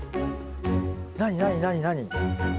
何何何何？